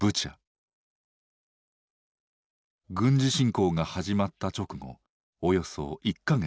軍事侵攻が始まった直後およそ１か月